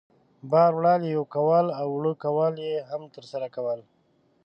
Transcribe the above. بار وړل، یوې کول او اوړه کول یې هم ترسره کول.